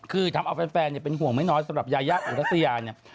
คือทำเอาแฟนเป็นห่วงไม่น้อยสำหรับยายาอุรัสยาเนี่ย